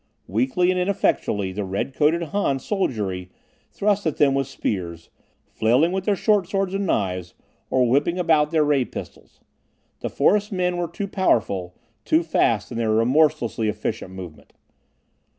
Weakly and ineffectually the red coated Han soldiery thrust at them with spears, flailing with their short swords and knives, or whipping about their ray pistols. The forest men were too powerful, too fast in their remorselessly efficient movement.